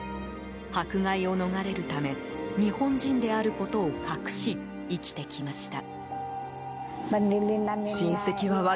迫害を逃れるため日本人であることを隠し生きてきました。